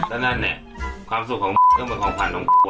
ความสุขของมันก็เป็นของขวัญของน้องอ่ะ